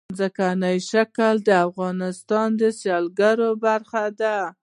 ځمکنی شکل د افغانستان د سیلګرۍ برخه ده.